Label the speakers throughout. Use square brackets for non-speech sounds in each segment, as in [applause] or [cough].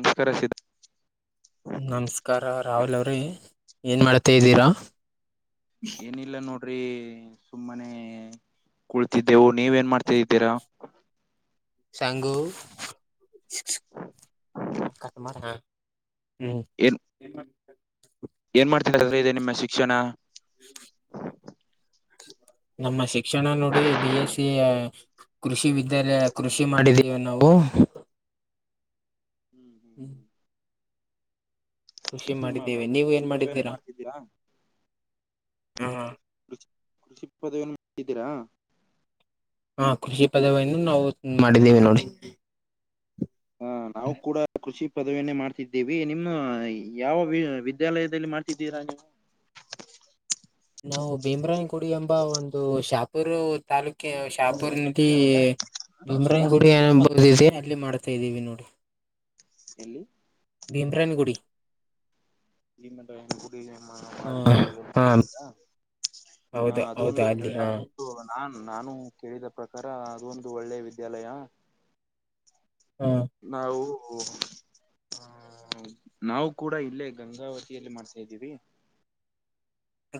Speaker 1: ನಮಸ್ಕಾರ ಸಿದ್
Speaker 2: ನಮಸ್ಕಾರ ರಾಹುಲ್ ಅವ್ರೇ ಏನ್ ಮಾಡ್ತಾಯಿದ್ದೀರಾ?
Speaker 1: ಏನಿಲ್ಲ ನೋಡ್ರಿ ಸುಮ್ಮನೆ ಕುಳತಿದ್ದೆವು ನೀವೇನ್ ಮಾಡ್ತಾ ಇದ್ದೀರಾ?
Speaker 2: ಶಾಂಗು [unintelligible] ಹ್ಮ್
Speaker 1: ಏನ್
Speaker 2: ಏನ್ ಮಾಡ್
Speaker 1: ಏನ್ ಮಾಡ್ತಾದೀರ ರೀ ನಿಮ್ಮ ಶಿಕ್ಷಣ?
Speaker 2: ನಮ್ಮ ಶಿಕ್ಷಣ ನೋಡಿ ಬಿ ಎಸ್ಸಿ ಆ ಕೃಷಿ ವಿದ್ಯಾಲಯ ಕೃಷಿ ಮಾಡಿದ್ದೀವಿ ನಾವು.
Speaker 1: ಹ್ಮ್ ಹ್ಮ್
Speaker 2: ಕೃಷಿ ಮಾಡಿದ್ದೇವೆ, ನೀವು ಏನ್ ಮಾಡಿದ್ದೀರಾ?
Speaker 1: ಇದ್ಯಾ? ಕೃಷಿ [unintelligible] ಪದವಿನ್ ಮಾಡಿದ್ದೀರಾ?
Speaker 2: ಹಾಂ ಕೃಷಿ ಪದವಿಯನ್ನು ನಾವು ಮಾಡಿದ್ದೇವೆ ನೋಡಿ.
Speaker 1: ಹಾಂ ನಾವು ಕೂಡ ಕೃಷಿ ಪದವಿಯನ್ನೇ ಮಾಡ್ತಿದ್ದೇವಿ ನಿಮ್ಮ ಯಾವ ವಿ ವಿದ್ಯಾಲಯದಲ್ಲಿ ಮಾಡ್ ತಿದ್ದೀರ ನೀವು
Speaker 2: ನಾವು ಭೀಮ್ರಾಯನ್ ಗುಡಿ ಎಂಬ ಒಂದು ಶಾಪೂರ್ ತಾಲೂಕೆ ಶಾಪೂರ್ ಕೀ ಭೀಮ್ರಾಯನ್ ಗುಡಿ ಎಂಬ [unintelligible] ಅಲ್ಲಿ ಮಾಡ್ತಾ ಇದ್ದೀವಿ ನೋಡಿ.
Speaker 1: ಎಲ್ಲಿ?
Speaker 2: ಭೀಮ್ರಾಯನ್ ಗುಡಿ.
Speaker 1: ಭೀಮರಾಯನ್ ಗುಡಿ [unintelligible]
Speaker 2: ಹ
Speaker 1: ಮಾಡ್ತೀರ?
Speaker 2: ಹಾ
Speaker 1: ಹಾಂ
Speaker 2: ಹೌದು ಹೌದಾ
Speaker 1: ಅದೊಂದು ಪ್ರ
Speaker 2: ಅಲ್ಲಿ
Speaker 1: ಅ
Speaker 2: ಹ
Speaker 1: ಅದು ನಾನ್ ನಾನು ಕೇಳಿದ ಪ್ರಕಾರ ಅದೊಂದು ಒಳ್ಳೆ ವಿದ್ಯಾಲಯ
Speaker 2: ಹ್ಮ್
Speaker 1: ನಾವು ಹಾಂ ಊಂ ನಾವು ಕೂಡ ಇಲ್ಲೇ ಗಂಗಾವತಿಯಲ್ಲಿ ಮಾಡ್ತಾ ಇದ್ದೀವಿ.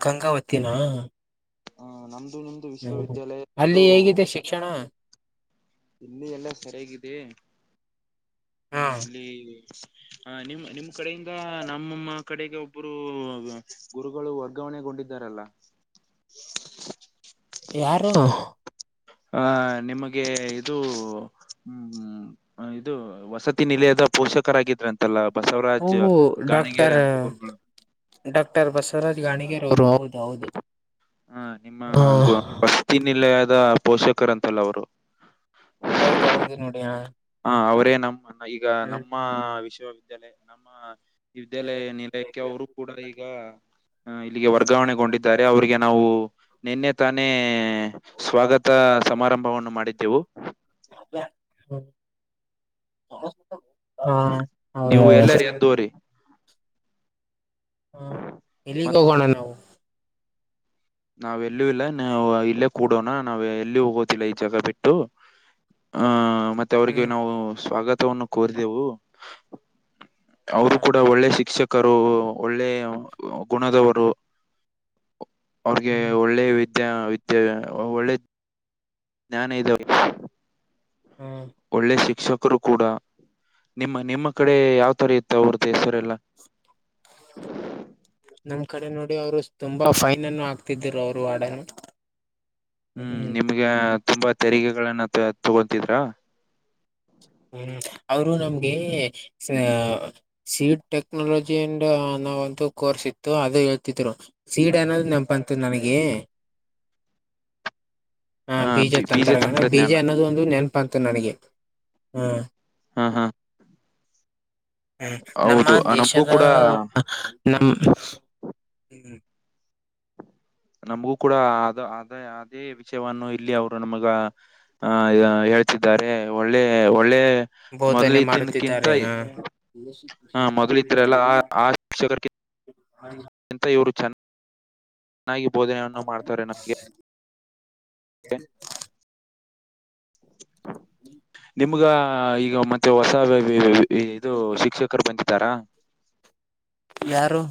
Speaker 2: ಗಂಗಾವತಿನ?
Speaker 1: ಹಾಂ ನಮ್ದು ನಿಮ್ದು ವಿಶ್ವವಿದ್ಯಾಲಯ ಎರಡು
Speaker 2: ಕ್ಷಣ
Speaker 1: ಇಲ್ಲಿ ಎಲ್ಲ ಸರಿಯಾಗಿದೆ ಹ
Speaker 2: ಹಾ
Speaker 1: ಇಲ್ಲಿ ಹ ನಿಮ್ಮ್ ನಿಮ್ಮ ಈ ಕಡೆಯಿಂದ ನಮ್ಮಮ್ಮ ಕಡೆಗೆ ಒಬ್ಬರು ಗುರುಗಳು ವರ್ಗಾವಣೆಗೊಂಡಿದ್ದಾರಲ್ಲ
Speaker 2: ಯಾರು
Speaker 1: ಆ ನಿಮಗೆ ಇದು ಹ ಹ್ಮ್ ಇದು ವಸತಿ ನಿಲಯದ ಪೋಷಕರಾಗಿದ್ರಂತೆ ತ್ತಲ್ಲಾ ಬಸವರಾಜ್
Speaker 2: ಓಹೋ
Speaker 1: ಗಾಣಿಗರೆ
Speaker 2: ಡಾಕ್ಟರ್
Speaker 1: ಅಂತ ಗುರುಗಳು
Speaker 2: ಡಾಕ್ಟರ್ ಬಸವರಾಜ್ ಗಾಣಿಗರ ಅವರು ಹೌದು ಹೌದು
Speaker 1: ಹಾ ನಿಮ್ಮ ಗ
Speaker 2: ಹೌದ
Speaker 1: ವಸ್ತಿ ನಿಲಯದ ಪೋಷಕರ ಅಂತಲ್ಲ ಅವರು
Speaker 2: ಹೌದೌದು ನೋಡಿ ಹ
Speaker 1: ಹಾ ಅವರೇ ನಮ್ಮ ಈಗ ನಮ್ಮ ವಿಶ್ವವಿದ್ಯಾಲಯ ನಮ್ಮ ವಿದ್ಯಾಲಯ ನಿಲಯಕ್ಕೆ ಅವರು ಕೂಡ ಈಗ ಅ ಇಲ್ಲಿಗೆ ವರ್ಗಾವಣೆಗೊಂಡಿದ್ದಾರೆ ಅವಿಗೆ ನಾವು ನಿನ್ನೆ ತಾನೇ ಸ್ವಾಗತ ಸಮಾರಂಭವನ್ನು ಮಾಡಿದ್ದೆವು
Speaker 2: ಹ ಹ
Speaker 1: ನೀವು ಎಲ್ಲರಿ ಎದ್ದೋ್ರರಿ
Speaker 2: ಹ ಎಲ್ಲಿ
Speaker 1: ಮತ್
Speaker 2: ಒಗೋಣ
Speaker 1: ನಾವ್ ಎಲ್ಲೂ ಇಲ್ಲ ನ ಇಲ್ಲೇ ಕೂಡೋಣ ನಾವ್ ಎಲ್ಲಿ ಹೋಗೋತಿಿಲ್ಲ ಈ ಜಾಗ ಬಿಟ್ಟು ಹಹ ಮತ್ತೆ ಅವ್ರಿಗೆ
Speaker 2: ಹ್ಮ್
Speaker 1: ನಾವು ಸ್ವಾಗತವನ್ನು ಕೋರಿದೆೆವು ಅವರು ಕೂಡ ಒಳ್ಳೆ ಶಿಕ್ಷಕರು ಒಳ್ಳೆ ಗುಣದವರು ಅವ್ರಿಗೆ ಒಳ್ಳೆ ವಿದ್ಯಾ ವಿದ್ಯಾ ಒಳ್ಳೆ ಜ್ಞಾನ ಇದೆ ಅವ್ರಿಗೆ
Speaker 2: ಹಾ
Speaker 1: ಒಳ್ಳೆ ಶಿಕ್ಷಕರು ಕೂಡ ನಿಮ್ಮ ನಿಮ್ಮ ಕಡೆ ಯಾವ್ ತರ ಇತ್ತು ಅವ್ರ್ದ ಹೆಸರೆಲ್ಲ
Speaker 2: ನಮ್ ಕಡೆ ನೋಡಿ ಅವ್ರು ತುಂಬಾ ಫೈನ್ ಅನ್ನು ಹಾಕ್ತಿದರು ಅವರು ಹಾಡ
Speaker 1: ಹ್ಮ್
Speaker 2: ಹ್ಮ
Speaker 1: ನಿಮ್ಗೆ ತುಂಬಾ ತೆರಿಗೆಗಳನ್ನ ತಗೊತಿದ್ರಾ
Speaker 2: ಹ್ಮ್ ಅವರು ನಮ್ಗೆ ಸಾ ಸೀಟ್ ಟೆಕ್ನಾಲಜಿ ಅಂಡ್ ನಾವ ಒಂದು ಕೋರ್ಸ್ ಇತ್ತು ಅದು ಹೇಳ್ತಿದ್ರು ಸೀಡನಲ್ ನೆನಪಂತ ನನಗೆ ಹಾ ಬೀಜ ತಂತರ ಅಂದ್ರೆ ಬೀಜ ಅನ್ನೋದು ಒಂದು ನೆನಪಂತು ನನಗೆ ಹ್ಮ
Speaker 1: ಹಾ ಹಾ
Speaker 2: ಹ್ಮ್ ನಮ್ಮ
Speaker 1: ಹೌದು ಆ, ನಮಗೂ
Speaker 2: ದೇಶದ
Speaker 1: ಕೂಡ
Speaker 2: ನಮ್ಮ ಹ್ಮ
Speaker 1: ನಮ್ಗೂ ಕೂಡ ಅದು ಆದ ಅದೇ ವಿಷಯವನ್ನು ಇಲ್ಲಿ ಅವರು ನಮಗ ಹ ಹೇಳ್ತಿದ್ದಾರೆ ಒಳ್ಳೆ ಒಳ್ಳೆ
Speaker 2: ಬೋಧನೆ
Speaker 1: ಮೊದಲಿದ್ದಕ್ಕಿಂತ
Speaker 2: ಮಾಡುತ್ತಿದ್ದಾರೆ ಹ
Speaker 1: ಹಾ ಮೊದಲಿದ್ರಲ್ಲ ಆ
Speaker 2: ಹ
Speaker 1: ಎಂತ ಇವರು ಚೆ ಚೆನ್ನಾಗಿ ಬೋಧನೆಯನ್ನು ಮಾಡ್ತಾರೆ ನಮಗೆ ಹ [inaudible]
Speaker 2: [inaudible]
Speaker 1: ನಿಮ್ಗ ಈಗ ಮತ್ತೆ ಹೊಸ ಇದು ಶಿಕ್ಷಕರು ಬಂದೀದಾರ
Speaker 2: ಯಾರು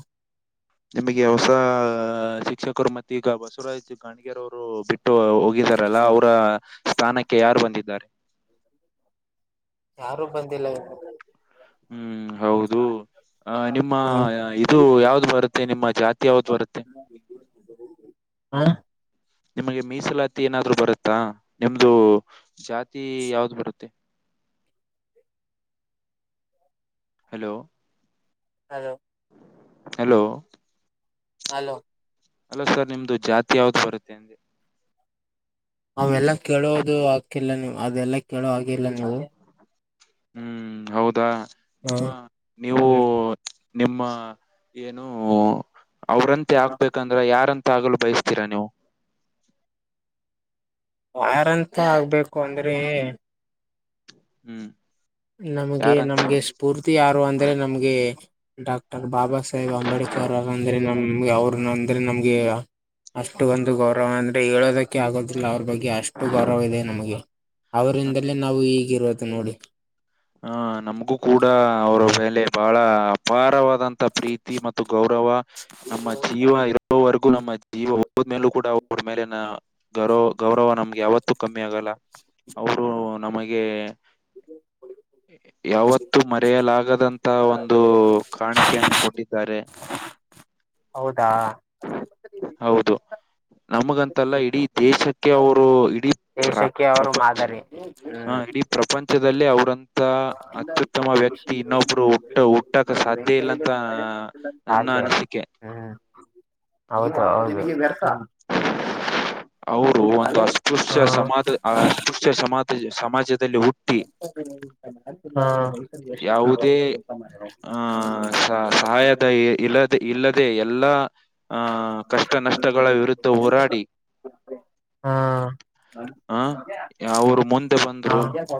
Speaker 1: ನಿಮಗೆ ಹೊಸ ಶಿಕ್ಷಕರು ಮತ್ತೆ ಈಗ ಬಸವರಾಜ್ ಗಾಣಗರ ಅವರು ಬಿಟ್ಟು ಹೋಗಾರಲ್ಲ ಅವರ ಸ್ಥಾನಕ್ಕೆ ಯಾರು ಬಂದಿದ್ದಾರೆ
Speaker 2: ಯಾರು ಬಂದಿಲ್ಲ ಇನ್ನ.
Speaker 1: ಹ್ಮ್ ಹೌದು. ಅ ನಿಮ್ಮ
Speaker 2: ಹ್ಮ್.
Speaker 1: ಇದು ಯಾವ್ದ್ ಬರುತ್ತೆ ನಿಮ್ಮ ಜಾತಿ ಯಾವ್ದ್ ಬರುತ್ತೆ.
Speaker 2: ಹಾಂ
Speaker 1: ನಿಮಗೆ ಮೀಸಲಾತಿ ಏನಾದ್ರು ಬರುತ್ತಾ ನಿಮ್ದು ಜಾತಿ ಯಾವ್ದ ಬರುತ್ತೆ. Hello.
Speaker 2: Hello.
Speaker 1: Hello.
Speaker 2: Hello.
Speaker 1: Hello sir ನಿಮ್ದು ಜಾತಿ ಯಾವ್ದು ಬರುತ್ತೆ ಅಂದೆ.
Speaker 2: ಅವೆಲ್ಲಾ ಕೇಳೋದು ಹಕ್ಕಿಲ್ಲ ನೀವು ಅದೆಲ್ಲ ಕೇಳೋ ಹಾಗಿಲ್ಲ ನೀವು.
Speaker 1: ಹ್ಮ್ ಹೌದಾ ನಿಮ್ಮ
Speaker 2: ಹ್ಮ್
Speaker 1: ನೀವು. ನಿಮ್ಮ ಏನು ಅವ್ರಂತೆ ಆಗ್ಬೇಕಂ ಅಂದ್ರ ಯಾರಂತ ಆಗಲು ಬಯಸ್ತೀರಾ ನೀವು.
Speaker 2: ಯಾರಂತ ಆಗ್ಬೇಕು ಅಂದ್ರೆ.
Speaker 1: ಹ್ಮ್
Speaker 2: ನಮಗೆ
Speaker 1: ಯಾರಂತ
Speaker 2: ನಮ್ಗೆ ಸ್ಫೂರ್ತಿ ಯಾರು ಅಂದ್ರೆ ನಮ್ಗೆ ಡಾಕ್ ಟರ್ ಬಾಬಾ ಸಾಹೇಬ್ ಅಂಬೇಡ್ಕರ್ ಅವ್ರಂದ್ರೆ ನಮ್ ಮ್ಗೆ ಅವ್ರ ಅಂದ್ರೆ ನಮ್ಗೆ ಅಷ್ಟು ಒಂದು ಗೌರವ ಅಂದ್ರೆ ಹೇಳೋದಕ್ಕೆ ಆಗೋದಿಲ್ಲ ಅವ್ರ ಬಗ್ ಗೆ ಅಷ್ಟು ಗೌರವ ಇದೆ ನಮಗೆ ಅವರಿಂದಲೇ ನಾವು ಈಗಿರೋದು ನೋಡಿ.
Speaker 1: ಹಾ ನಮ್ಗೂ ಕೂಡ ಅವರ ಮೇಲೆ ಬಹಳ. ಅಪಾರವಾದಂತಹ ಪ್ರೀತಿ ಮತ್ತು ಗೌರವ ನಮ್ಮ ಜೀವ ಇರೊ ರೊವರೆಗೂ ನಮ್ಮ ಜೀವ ಹೋದ ಮೇಲೂ ಕೂಡ ಅವ್ರ ಮೇಲಿನ. ಗರೊ ಗೌರವ ನಮ್ಗೆ ಯಾವತ್ತೂ ಕಮ್ಮಿ ಆಗಲ್ಲ ಅವರು ನಮಗೆ. ಹ್ಮ್ ಯಾವತ್ತೂ ಮರೆಯಲಾಗದಂತ ಒಂದು ಕಾಣಿಕೆಯನ್ನು ಕೊಟ್ಟಿದ್ದಾರೆ.
Speaker 2: ಹೌದಾ.
Speaker 1: ಹೌದು ನಮಗಂತಲ್ಲ ಇಡೀ ದೇಶಕ್ಕೆ ಅವರು ಇಡೀ
Speaker 2: ದೇಶಕ್ಕೆ ಅವರು ಮಾದರಿ.
Speaker 1: ಹ ಇಡೀ ಪ್ರಪಂಚದಲ್ಲೇ ಅವ್ರಂ ತ ಅತ್ಯುತ್ತಮ ವ್ಯಕ್ತಿ
Speaker 2: ಹ್ಮ್
Speaker 1: ಇನ್ನೊಬ್ರು ಹುಟ್ಟ ಹುಟ್ಟಕ ಸಾಧ್ಯ ಇಲ್ಲಂತ. ನನ್ನ
Speaker 2: ಅದೇ
Speaker 1: ಅನಿಸಿಕೆ.
Speaker 2: ಹ್ಮ್ ಹೌದು ಹೌದು.
Speaker 1: ಅವರು ಒಂದು ಅಸ್ಪೃಶ್ಯ ಸಮಾಜ ಅಸ್ಪೃಶ್ಯ ಸಮಾಜ ಸಮಾಜದಲ್ಲಿ ಹುಟ್ಟ್
Speaker 2: [unintelligible]
Speaker 1: ಯಾವುದೇ
Speaker 2: ಹಾಂ
Speaker 1: ಆ ಸ-
Speaker 2: [unintelligible]
Speaker 1: ಸಹಾಯದ ಇಲ್ಲದೆ ಇಲ್ಲದೆ ಎಲ್ಲಾ ಆ ಕಷ್ಟ ನಷ್ಟಗಳ ವಿರುದ್ಧವು
Speaker 2: [unintelligible] ಹಾಂ [unintelligible]
Speaker 1: ಆ ಅವರು ಮುಂದೆ ಬಂದ್ರು
Speaker 2: ಹ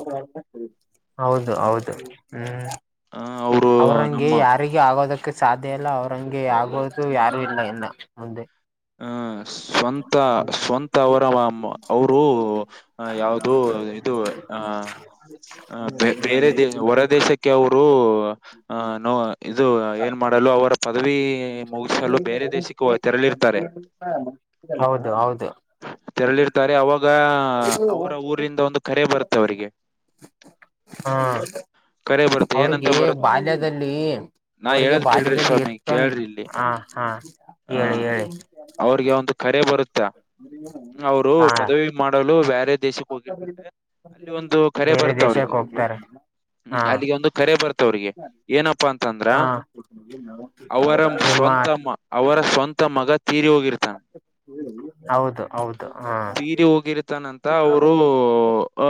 Speaker 2: ಹೌದು ಹೌದು ಹ್ಮ್
Speaker 1: ಆ ಅವರು
Speaker 2: ಅವ್ರಂಗೆ
Speaker 1: ನಮ್ಮ
Speaker 2: ಯಾರಿ ಆಗೋದಕ್ಕೆ ಸಾಧ್ಯ ಇಲ್ಲ ಅವ್ರಂಗೆ ಆಗೋದು ಯಾರು ಇಲ್ಲ ಇನ್ನ ಮುಂದೆ.
Speaker 1: ಹಂ ಸ್ವಂತ ಸ್ವಂತ ಅವರ ಮಾ ಅವರು. ಆ ಯಾವುದು ಇದು ಆಹ ಬೇರೆ ದ ಹೊರ ದೇಶ ಕ್ಕೆ ಅವರು ನೊ ಇದು ಏನ್ ಮಾಡಲು ಅವರ. ಪದವಿ ಮುಗಿಸಲು ಬೇರೆ ದೇಶಕ್ಕೆ ತೆರಳಿರ್
Speaker 2: ಹೌದು ಹೌದು.
Speaker 1: ತೆರಳಿರ್ತಾರೆ ಅವಾಗ ಅವರ ಊರಿಂದ ಒಂದು ಕರೆ ಬರುತ್ತೆ ಅವರಿಗೆ.
Speaker 2: ಹಾಂ
Speaker 1: ಕರೆ ಬರುತ್ತೆ ಏನಂತ
Speaker 2: ಅವ್ರಿಗೆ
Speaker 1: ಬರುತ್
Speaker 2: ಬಾಲ್ಯದಲ್ಲಿ
Speaker 1: ನಾ
Speaker 2: ಅವ್ರಿಗೆ
Speaker 1: ಹೇಳದ್ ಕೇಳ್ರಿ
Speaker 2: ಬಾಲ್ಯದಲ್ಲಿ.
Speaker 1: ಸ್ವಾಮಿ
Speaker 2: ತಂದ್
Speaker 1: ಕೇಳ್ರಿ ಇಲ್ಲಿ
Speaker 2: ಹಾ ಹಾ
Speaker 1: ಆ
Speaker 2: ಹೇಳಿ ಹೇಳಿ.
Speaker 1: ಅವ್ರಿಗೆ ಒಂದು ಕರೆ ಬರುತ್ತ ಅವರು
Speaker 2: ಹಾ
Speaker 1: ಪದವಿ ಮಾಡಲು ಬ್ಯಾರೆ. ದೇಶಕ್ಕೆ ಹೋಗಿರ್ತಾರೆ ಅಲ್ಲಿ ಒಂದು ಕರೆ
Speaker 2: ಬೇರೆ
Speaker 1: ಬರ್ತ ಅವ್ರಿಗೆ
Speaker 2: ದೇಶಕ್ಕೆ ಹೋಗ್ತಾರೆ ಹಾ
Speaker 1: ಹ್ಮ್ ಅಲ್ಲಿಗೆ ಒಂದು ಕರೆ ಬರ್ತ ತವ್ರಿಗೆ. ಏನಪ್ಪಾ ಅಂತಂದ್ರ
Speaker 2: ಹಾ
Speaker 1: ಅವರ
Speaker 2: ನಿಮ್ಮ
Speaker 1: ಸ್ವಂತ ಮ ಅವರ ಸ್ವಂತ ಮಗ. ತೀರಿ ಹೋಗಿರ್ತಾನ
Speaker 2: ಹೌದು ಹೌದು ಹಾಂ.
Speaker 1: ತೀರಿ ಹೋಗಿರ್ತಾನಂತ ಅವರು ಅ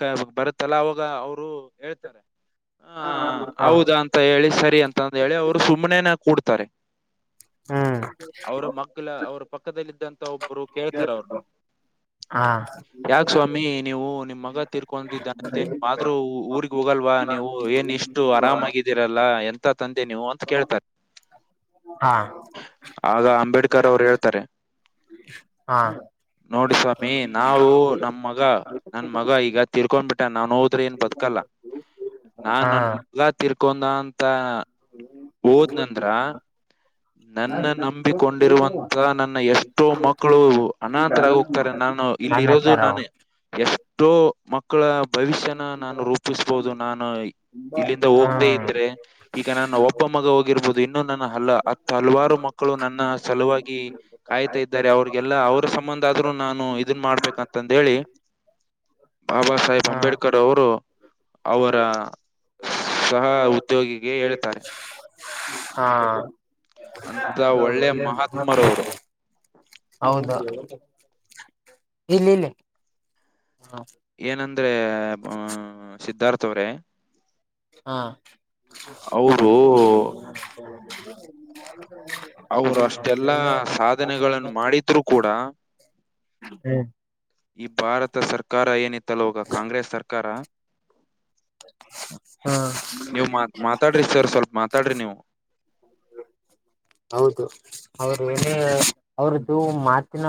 Speaker 1: ಕ ಬರುತ್ತಲ್ಲ ಅವಾಗ ಅವರು. ಹೇಳ್ತಾರೆ ಹ ಹೌದಾ ಅಂತ ಹೇಳಿ ಸರಿ ಅಂತಾಂದ ಹೇಳಿ ಅವರು ಸುಮ್ನೇನ. ಕೂಡ್ತಾರೆ.
Speaker 2: ಹ್ಮ್
Speaker 1: ಅವರ ಮಗ್ಲ ಅವ್ರ ಪಕ್ಕದಲ್ಲಿದ್ದಂತ ಒಬ್ರು. ಕೇಳ್ತಾರ ಅವ್ರನ
Speaker 2: ಹಾ
Speaker 1: ಯಾಕ ಸ್ವಾಮಿ. ನೀವು ನಿಮ್ ಮಗ ತೀರ್ಕೊಂಡಿದ್ದಾನಂತೆ ಆದ್ರೂ ಊರಿಗೆ ಹೋಗಲ್ವಾ ನೀವು ಏನ್ ಇಷ್ಟು ಆರಾಮಾಗಿ ದಿರಲ್ಲ ಎಂತ ತಂದೆ ನೀವು ಅಂತ ಕೇಳ್ತಾರೆ.
Speaker 2: ಹಾಂ
Speaker 1: ಆಗ ಅಂಬೇಡ್ಕರ್ ಅವ್ರು ಹೇಳ್ತಾರೆ.
Speaker 2: ಹಾ
Speaker 1: ನೋಡಿ ಸ್ವಾಮಿ ನಾವು ನಮ್ ಮಗ ನನ್ ಮಗ ಈಗ ತಿರ್ಕೊಂಡ್ ಬಿಟ್ಟನ ನಾನ್ ಹೋದ್ರೆ ಏನ್ ಬದಕಲ್ಲ ನಾನ್
Speaker 2: ಹಾ
Speaker 1: ನನ್ ಎಲ್ಲಾ ತೀರ್ಕೊಂಡ ಅಂತ. ಹೋದ್ನಂದ್ರ ನನ್ನ ನಂಬಿಕೊಂಡಿರುವಂತ ನನ್ನ ಎಷ್ಟೋ ಮಕ್ ಕ್ಕಳು ಅನಾತರಾಗಿ ಹೋಗ್ತಾರೆ ನಾನು ಇಲ್ಲಿ ಇರೋದು
Speaker 2: ಅನ್ನತಾರ
Speaker 1: ನಾನು ಎಷ್ಟೋ ಮಕ್ಕಳ ಭವಿಷ್ಯನ ನಾನು ರೂಪಿಸ್ಬೋದು ನಾನು. ಇಲ್ಲಿಂದ ಹೋಗ್ದೇ
Speaker 2: ಹ್ಮ್
Speaker 1: ಇದ್ರೆ ಈಗ ನಾನ ಒ ಒಬ್ಬ ಮಗ ಹೋಗಿರ್ಬೋದು ಇನ್ನು ನನ್ನ ಹಲ್ಲ ಹತ್ ಹಲವಾರು ಮಕ್ಕಳು ನನ್ನ ಸಲುವಾಗಿ. ಕಾಯ್ತಾ ಇದ್ದಾರೆ ಅವ್ರಗೆಲ್ಲಾ ಅವ್ರ ಸಂಬಂಧ ಆದ್ರು ನಾನು ಇದನ್ ಮಾಡ್ಬೇಕಂತಂದ್ಹೇಳಿ. ಬಾಬಾ ಸಾಹೇಬ್
Speaker 2: ಹ್ಮ
Speaker 1: ಅಂಬೇಡ್ಕರ್ ಅವರು ಅವರ. ಸಹ ಉದ್ಯೋಗಿಗೆ ಹೇಳ್ತಾರೆ.
Speaker 2: ಹಾ
Speaker 1: ಅಂತ
Speaker 2: ಒಳ್ಳೆ.
Speaker 1: ಮಹಾತ್ಮರವರು
Speaker 2: [unintelligible] ಹೌದಾ ಇಲ್ಲಿಲ್ಲಿ.
Speaker 1: ಏನಂದ್ರೆ ಅ ಸಿದ್ಧಾರ್ಥವ್ರೆ.
Speaker 2: ಹಾ.
Speaker 1: ಅವರು
Speaker 2: [unintelligible]
Speaker 1: ಅವ್ರು ಅಷ್ಟೆಲ್ಲಾ ಸಾಧನೆಗಳನ್ನು ಮಾಡಿದ್ರು ಕೂಡ.
Speaker 2: ಹ್ಮ್
Speaker 1: ಈ ಭಾರತ ಸರ್ಕಾರ ಏನಿತ್ತಲ್ಲ ಆವಾಗ ಕಾಂಗ್ರೆಸ್ ಸರ್ಕಾರ.
Speaker 2: ಹಾ
Speaker 1: ನೀವು ಮಾತ್ ಮಾತಾಡ್ರಿ ಸರ್ ಸ್ವಲ್ಪ್ ಮಾತಾಡ್ರಿ ನೀವು.
Speaker 2: ಹೌದು ಅವರು ಅವ್ರದ್ದು ಮಾತಿನ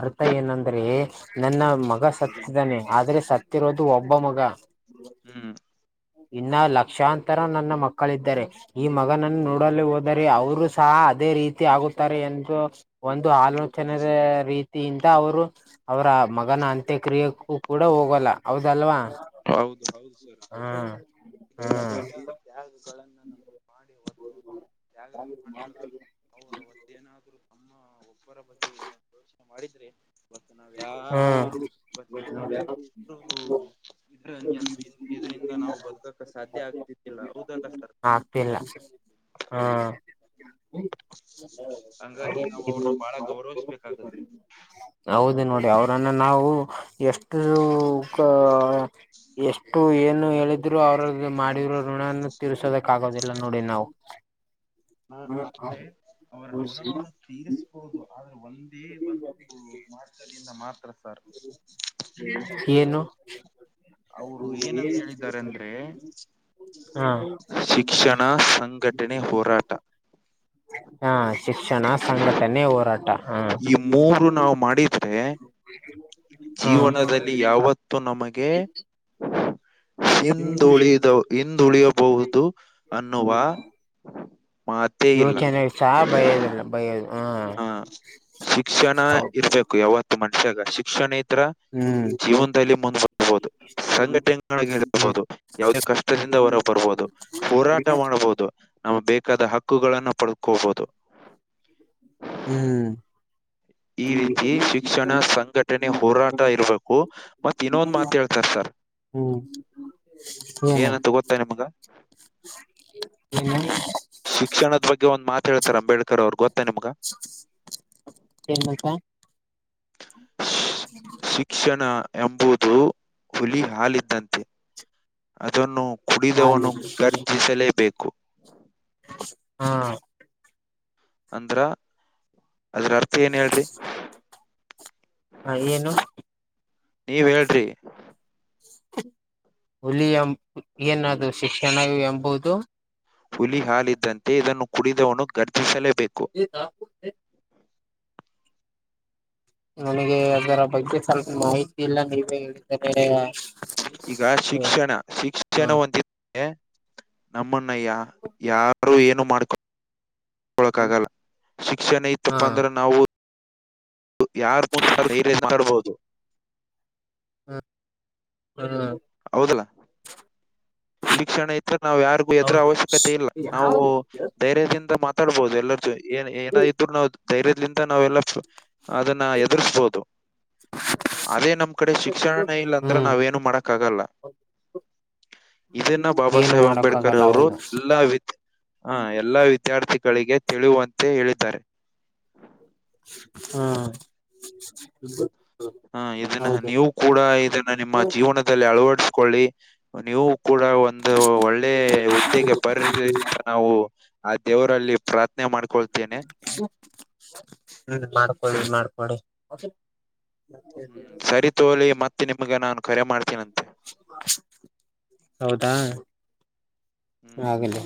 Speaker 2: ಅರ್ಥ ಏನಂದ್ರೆ. ನನ್ನ ಮಗ ಸತ್ತಿದ್ದಾನೆ ಆದ್ರೆ ಸತ್ತಿರೋದು ಒಬ್ಬ ಮಗ.
Speaker 1: ಹ್ಮ್
Speaker 2: ಇನ್ನ ಲಕ್ಷಾಂತರ ನನ್ನ ಮಕ್ಕಳಿದ್ದಾರೆ. ಈ ಮಗನನ್ನು ನೋಡಲು ಹೋದರೆ ಅವರು ಸಹ ಅದೇ ರೀತಿ ಆಗುತ್ತಾರೆ ಎಂದು. ಒಂದು ಆಲೋಚನೆದ ರೀತಿಯಿಂದ ಅವರು. ಅವ್ರ ಮಗನ ಅಂತ್ಯಕ್ರಿಯೆಕ್ಕೂ ಕೂಡ ಹೋಗಲ್ಲ ಹೌದಲ್ವಾ.
Speaker 1: ಹೌದು ಹೌದು ಸರ್.
Speaker 2: ಹ್ಮ ಹ್ಮ್
Speaker 1: ಯಾಗಗಳನ್ನು ನಮಗ್ ಮಾಡಿ ಹೋದ್ರು ಯಾಗಗ ಮಾಡ್ಲಾರ್ದ. ಅವ್ರ ಅವತ್ತೇಏನಾದ್ರು ತಮ್ಮ ಒಬ್ಬರ. ಬಗ್ಗೆ ಯೋಚನೆ ಮಾಡಿದ್ರೆ ಇವತ್ತು ನಾವ್ಯಾರು
Speaker 2: ಹ್ಮ್
Speaker 1: [unintelligible] ಷ್ಟು. ಇದ್ರ ಇದರಿಂದ ನಾವು ಬದುಕಕ ಸಾಧ್ಯ ಆಗ್ತಿರ್ಲಿಲ್ಲ ಹೌದಲ್ಲ ಸರ್ ಹ್ಮ್.
Speaker 2: ಇಲ್ಲ ಹ [unintelligible] ಹಾ.
Speaker 1: ಗೌರವಿಸ್ಬೇಕಾಗುತ್ತೆ.
Speaker 2: ಹೌದು ನೋಡಿ ಅವರನ್ನ ನಾವು ಎಷ್ಟು ಕ. ಎಷ್ಟು ಏನು ಹೇಳಿದ್ರು ಅವ್ರದು ಮಾಡಿರೋ ಋಣನ್ನ ತೀರ್ಸೋದಕ್ ಆಗೋದಿಲ್ಲ ನೋಡಿ ನಾವು.
Speaker 1: ಹ ಆದ್ರೆ ಅವರ ಋಣವನ್ನು ತೀರಿಸ ಹೌದು ಆದ್ರೆ ಒಂದೇ ಒಂದು ಮಾತರಿಯಿಂದ ಮಾತ್ರ ಸರ್.
Speaker 2: ಏನು.
Speaker 1: ಅವರು ಏನಂತ ಹೇಳಿದ್ದಾರಂದ್ರೆ.
Speaker 2: ಹಾ
Speaker 1: ಶಿಕ್ಷಣ ಸಂಘಟನೆ ಹೋರಾಟ.
Speaker 2: ಹಾ ಶಿಕ್ಷಣ ಸಂಘಟನೆ ಹೋರಾಟ ಹಾಂ.
Speaker 1: ಈ ಮೂರು ನಾವು ಮಾಡಿದ್ರೆ.
Speaker 2: ಹಾ
Speaker 1: ಜೀವನದಲ್ಲಿ ಯಾವತ್ತೂ ನಮಗೆ ಹಿಂದುಳಿದವ ಹಿಂದುಳಿಯಬಹುದು ಅನ್ನುವ. ಮಾತೇ ಇಲ್ಲ
Speaker 2: ಯೋಚನೆ ಸಹ ಬಯೋದಲ್ಲ ಬಯೋದು.
Speaker 1: ಹಾ ಶಿಕ್ಷಣ
Speaker 2: ಹೌದು
Speaker 1: ಇರ್ಬೇಕು ಯಾವತ್ತು ಮನುಷ್ಯಾಗ ಶಿಕ್ಷಣ ಇದ್ರ.
Speaker 2: ಹ್ಮ್
Speaker 1: ಜೀವನದಲ್ಲಿ ಮುಂದ್ಬರ್ಬಹುದು. ಸಂಘಟನೆಗಳಿಗೆ
Speaker 2: ಹ್ಮ್
Speaker 1: ಇಳಿಬೋದು ಯಾವುದೇ ಕಷ್ಟದಿಂದ ಹೊರ ಬರ್ಬೋದು ಹೋರಾಟ ಮಾಡ್ಬೋದು. ನಾವು ಬೇಕಾದ ಹಕ್ಕುಗಳನ್ನು ಪಡ್ಕೋಬಹುದು.
Speaker 2: ಹ್ಮ್
Speaker 1: ಈ ರೀತಿ ಶಿಕ್ಷಣ ಸಂಘಟನೆ ಹೋರಾಟ ಇರ್ಬೇಕು ಮತ್ ಇನ್ನೊಂದ್ ಮಾತ್ ಹೇಳ್ತಾರ್ ಸರ್.
Speaker 2: ಹುಂ ಎನ.
Speaker 1: ಏನಂತ ಗೊತ್ತಾ ನಿಮ್ಗ
Speaker 2: [unintelligible]
Speaker 1: ಶಿಕ್ಷಣದ ಬಗ್ಗೆ ಒಂದ್ ಮಾತ ಹೇಳ್ತಾರ ಅಂಬೇಡ್ಕರ್ ಅವ್ರು ಗೊತ್ತಾ ನಿಮ್ಗ.
Speaker 2: ಸ್ ಸ್ ಎನ್ ಬೇಕ.
Speaker 1: ಶ್-
Speaker 2: ಹ್ಮ್. [unintelligible]
Speaker 1: ಶಿಕ್ಷಣ ಎಂಬುದು ಹುಲಿ ಹಾಲಿದ್ದಂತೆ. ಅದನ್ನು
Speaker 2: ಹಾಲು
Speaker 1: ಕುಡಿದವನು ಗರ್ಜಿಸಲೇಬೇಕು.
Speaker 2: ಹಾಂ
Speaker 1: ಅಂದ್ರ ಅದ್ರ ಅರ್ಥ ಏನ್ ಹೇಳ್ರಿ.
Speaker 2: ಹಾ ಏನು.
Speaker 1: ನೀವ್ ಹೇಳ್ರಿ.
Speaker 2: ತ್ ಹುಲಿ ಎಂ ಏನದು ಶಿಕ್ಷಣ ಎಂಬುದು.
Speaker 1: ಹುಲಿ ಹಾಲಿದ್ದಂತೆ ಇದನ್ನು ಕುಡಿದವನು ಗರ್ಜಿಸಲೇಬೇಕು.
Speaker 2: [unintelligible] ನನಗೆ ಅದರ ಬಗ್ಗೆ ಸ್ವಲ್ಪ್ ಮಾಹಿತಿ ಇಲ್ಲ ನೀವೇ ಹೇಳಿದರೆ.
Speaker 1: ಈಗ
Speaker 2: ಸೊ
Speaker 1: ಶಿಕ್ಷಣ ಶಿಕ್ಷಣ
Speaker 2: ಹಾ
Speaker 1: ಒಂದಿತ್ ಎ ನಮ್ಮನ್ನ ಯಾ ಯಾರು ಏನು ಮಾಡ್ಕೊಂಡ್ ಕೊಳಕ್ಕಾಗಲ್ಲ ಶಿಕ್ಷಣ ಇತ್ತಪ್ಪ
Speaker 2: ಹಾ
Speaker 1: ಅಂದ್ರ ನಾವು. ಯಾರ ಮುಂದೆ [unintelligible] [unintelligible] ಮಾತಾಡ್ಬೋದು
Speaker 2: ಹಾ ಹಾ [unintelligible]
Speaker 1: ಹೌದಲ್ಲಾ ಈ ಕ್ಷಣ ಇದ್ರ ನಾವ್ ಯಾರಿಗೂ ಎದರ
Speaker 2: ಹೌದು
Speaker 1: ಅವಶ್ಯಕತೆ ಇಲ್ಲ ನಾವು ಧೈರ್ಯದಿಂದ ಮಾತಾಡ್ಬಹುದು ಎಲ್ಲರ [unintelligible] ಏನ್ ಏನಿದ್ರು ನಾವು ಧೈರ್ಯದಿಂದ ನಾವೆಲ್ಲ ಅದನ್ನ ಎದುರ್ರಿಸಬೋದು ಅದೇ ನಮ್ ಕಡೆ ಶಿಕ್ಷಣನೇ ಇಲ್ಲ ಅಂದ್ರ
Speaker 2: ಹ್ಮ್
Speaker 1: ನಾವ್ ಏನು ಮಾಡಕ್ ಆಗಲ್ಲ.
Speaker 2: [inaudible]
Speaker 1: ಇದನ್ನ ಬಾಬಾ
Speaker 2: ಏನು
Speaker 1: ಸಾಹೇಬ್ ಅಂಬೇಡ್ಕರ್
Speaker 2: ಮಾಡಕ್ಕಾಗಲ್ಲ
Speaker 1: ಅವರು
Speaker 2: ಹೌದು
Speaker 1: ಎಲ್ಲಾ ವಿ ಹ ಎಲ್ಲಾ ವಿದ್ಯಾರ್ಥಿಗಳಿಗೆ ತಿಳುವಂತೆ ಹೇಳಿದ್ದಾರೆ.
Speaker 2: ಹಾ [unintelligible]
Speaker 1: ಹಾ ಇದನ್ನ
Speaker 2: ಹೌದು
Speaker 1: ನೀವು ಕೂಡ ಇದನ್ನ ನಿಮ್ಮ ಜೀವನದಲ್ಲಿ ಅಳವಡಿಸಕೊಳ್ಳಿ ನೀವು ಕೂಡ ಒಂದು ಒಳ್ಳೆ ಹುದ್ದೆಗೆ ಬರ್ಲಿ ಅಂತ ನಾವು ಆ ದೇವರಲ್ಲಿ ಪ್ರಾರ್ಥನೆ ಮಾಡ್ಕೊಳ್ತೇನೆ.
Speaker 2: [inaudible] ಹ್ಮ್ ಮಾಡ್ಕೊಡಿ ಮಾಡ್ಕೊಡಿ
Speaker 1: ಹ್ಮ್ ಸರಿ ತೋಲಿ ಮತ್ತೆ ನಿಮ್ಗೆ ನಾನ್ ಕರೆ ಮಾಡ್
Speaker 2: [unintelligible] ಹೌದಾ
Speaker 1: ಹ್ಮ್
Speaker 2: ಹಾಗಲಿ